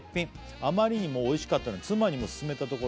「あまりにもおいしかったので妻にも勧めたところ」